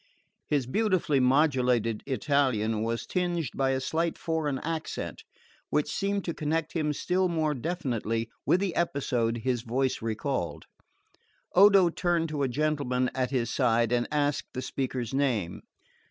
His beautifully modulated Italian was tinged by a slight foreign accent, which seemed to connect him still more definitely with the episode his voice recalled. Odo turned to a gentleman at his side and asked the speaker's name.